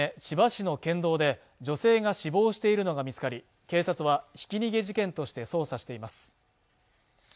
千葉市の県道で女性が死亡しているのが見つかり警察はひき逃げ事件として捜査しています